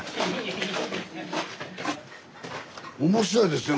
面白いですね